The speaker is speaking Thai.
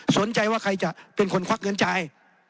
สนใจว่าใครจะเป็นคนควักเงินจ่าย